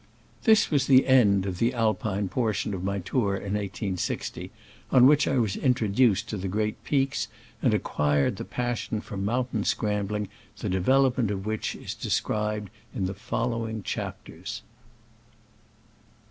This was the end of the Alpine por tion of my tour of i860, on which I was introduced to the great peaks, and ac quired the passion for mountain scram bling the development of which is described in the following chapters.